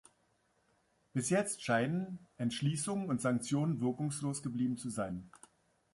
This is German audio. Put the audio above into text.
Bis jetzt scheinen Entschließungen und Sanktionen wirkungslos geblieben zu sein.